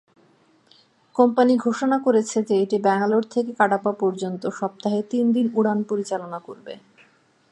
Company ঘোষণা করেছে যে এটি ব্যাঙ্গালোর থেকে কাডাপা পর্যন্ত সপ্তাহে তিনদিন উড়ান পরিচালনা করবে।